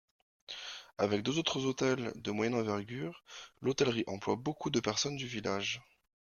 Avec deux autres hôtels de moyenne envergure, l’hôtellerie emploie beaucoup de personnes du village.